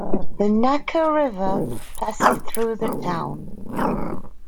The Naka River passes through the town.